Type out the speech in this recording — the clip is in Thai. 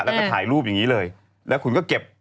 แล้วก็ถ่ายรูปอย่างนี้เลยแล้วคุณก็เก็บ